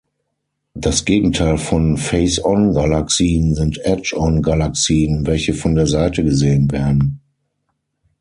Das Gegenteil von Face-On-Galaxien sind Edge-On-Galaxien, welche von der Seite gesehen werden.